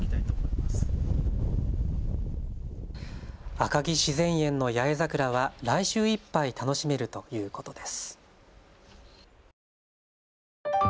赤城自然園の八重桜は来週いっぱい楽しめるということです。